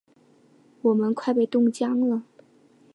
我们快被冻僵了！